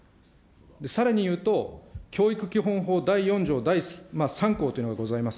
さらに言うと、教育基本法第４条第３項というのがございます。